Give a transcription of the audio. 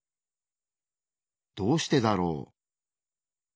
どうしてだろう？